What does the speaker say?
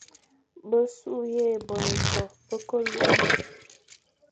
Besughʼé bone ieto be ke lugha.